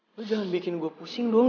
lo jangan bikin gue pusing dong